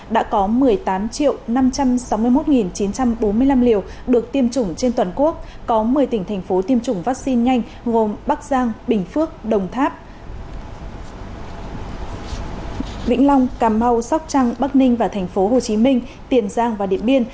đã có một mươi tám năm trăm sáu mươi một chín trăm bốn mươi năm liều được tiêm chủng trên toàn quốc có một mươi tỉnh thành phố tiêm chủng vắc xin nhanh gồm bắc giang bình phước đồng tháp vĩnh long cà mau sóc trăng bắc ninh và thành phố hồ chí minh tiền giang và điện biên